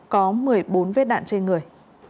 có một mươi bốn vết đạn trên người